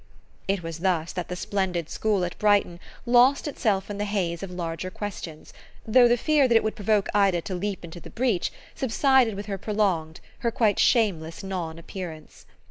It was thus that the splendid school at Brighton lost itself in the haze of larger questions, though the fear that it would provoke Ida to leap into the breach subsided with her prolonged, her quite shameless non appearance.